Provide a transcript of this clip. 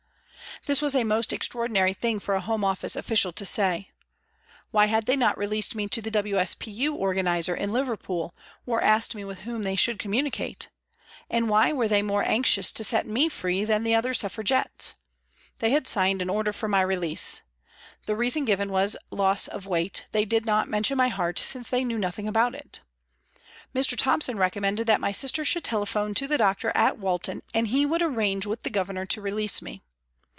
This was a most extra ordinary thing for a Home Office official to say. Why had they not released me to the W.S.P.U. organiser in Liverpool, or asked me with whom they should communicate ? And why were they more anxious to set me free than the other Suffra gettes ? They had signed an order for my release. THE HOME OFFICE 297 The reason given was loss of weight ; they did not mention my heart, since they knew nothing about it ! Mr. Thompson recommended that my sister should telephone to the doctor at Walton and he would arrange with the Governor to release me.